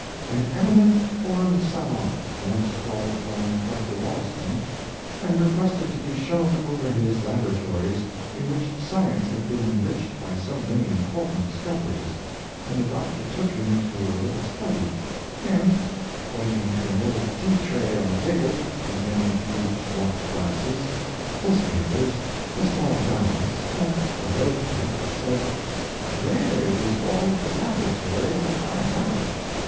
An em inent foreign savant once called upon Dr. Wollaston, and requested to be shown over his laboratories in which science had been enriched by so many important dis coveries, when the doctor took him into a little study, and, pointing to an old tea tray on the table, containing a few watch glasses, test papers, a small balance, and a blow pipe, said, " There is all the laboratory that I have